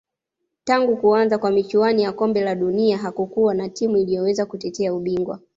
tangu kuanza kwa michuano ya kombe la dunia hakukuwa na timu iliyoweza kutetea ubingwa